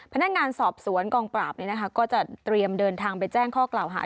พนักงานสอบสวนกองปราบก็จะเตรียมเดินทางไปแจ้งข้อกล่าวหา